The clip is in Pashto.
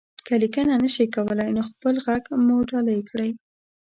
که ليکنه نشئ کولی، نو خپل غږ مو ډالۍ کړئ.